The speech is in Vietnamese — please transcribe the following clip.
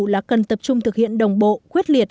là cần tập trung thực hiện đồng bộ quyết liệt